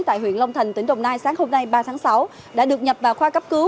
tại huyện long thành tỉnh đồng nai sáng hôm nay ba tháng sáu đã được nhập vào khoa cấp cứu